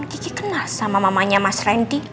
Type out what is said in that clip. kiki kenal sama mamanya mas randy